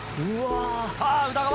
さぁ宇田川